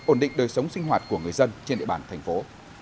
ổn định đời sống sinh hoạt của người dân trên địa bàn thành phố